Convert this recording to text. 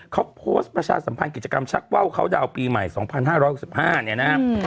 เขาโพสต์ประชาสัมพันธ์กิจกรรมชักว่าวเขาดาวน์ปีใหม่๒๕๖๕เนี่ยนะฮะ